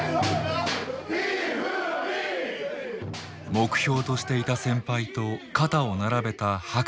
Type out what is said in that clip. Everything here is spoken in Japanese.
目標としていた先輩と肩を並べた白鵬。